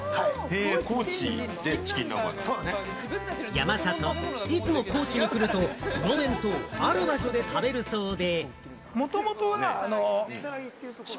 山里、いつも高知に来ると、このお弁当をある場所で食べるそうで。